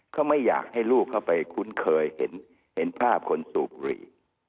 เขาไม่อยากให้ลูกเขาไปคุ้นเคยเห็นภาพคนสูบบุหรี่